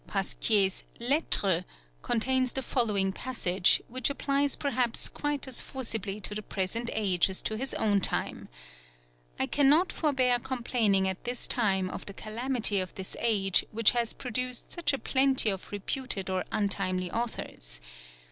Pasquier's Letters contains the following passage, which applies perhaps quite as forcibly to the present age as to his own time: "I cannot forbear complaining at this time of the calamity of this age which has produced such a plenty of reputed or untimely authors.